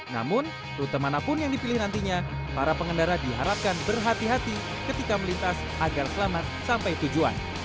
namun rute manapun yang dipilih nantinya para pengendara diharapkan berhati hati ketika melintas agar selamat sampai tujuan